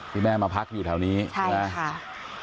ที่แม่มาพักอยู่แถวนี้ใช่ไหมใช่ค่ะ